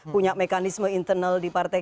punya mekanisme internal di partai